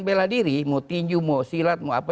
bela diri mau tinju mau silat mau apa